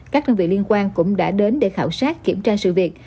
các đơn vị liên quan cũng đã đến để khảo sát kiểm tra sự việc